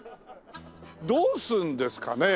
どうするんですかね？